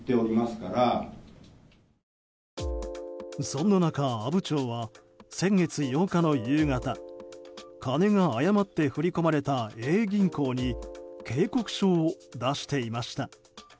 そんな中、阿武町は先月８日の夕方金が誤って振り込まれたＡ銀行に警告書を出していました。